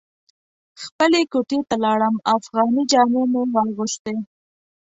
خپلې کوټې ته لاړم افغاني جامې مې واغوستې.